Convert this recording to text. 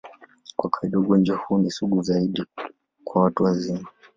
Kwa kawaida, ugonjwa huu ni sugu zaidi kwa watu wazima.